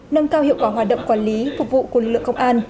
nâng cao hiệu quả hoạt động quản lý phục vụ của lực lượng công an